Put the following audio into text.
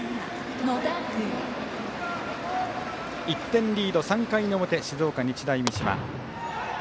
１点リード、３回の表静岡・日大三島。